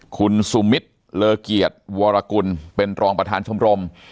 คุณสุมิตรเลอเกียรติวรกุลเป็นรองประธานชมรม